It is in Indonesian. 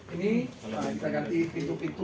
ini kita ganti pintu pintu